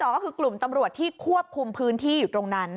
ก็คือกลุ่มตำรวจที่ควบคุมพื้นที่อยู่ตรงนั้น